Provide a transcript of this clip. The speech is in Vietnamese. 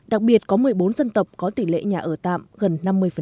đặc biệt có một mươi bốn dân tộc có tỷ lệ nhà ở tạm gần năm mươi